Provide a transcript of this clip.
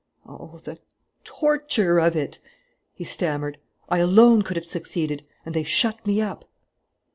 "Oh, the torture of it!" he stammered. "I alone could have succeeded; and they shut me up!"